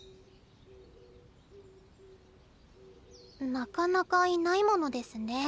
なかなかいないものデスネ。